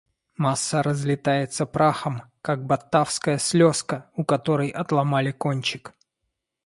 Масса разлетается прахом, как батавская слезка, у которой отломали кончик.